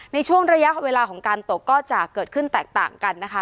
ในช่วงระยะเวลาของการตกก็จะเกิดขึ้นแตกต่างกันนะคะ